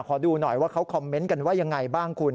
ขอดูหน่อยว่าเขาคอมเมนต์กันว่ายังไงบ้างคุณ